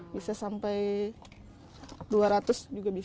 bisa sampai dua ratus juga bisa